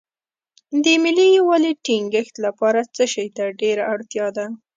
د ملي یووالي ټینګښت لپاره څه شی ته ډېره اړتیا ده.